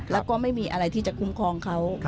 แล้วก็ไม่มีอะไรที่จะคุ้มครองเขา